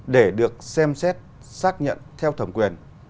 để được xem xét xác nhận theo thẩm quyền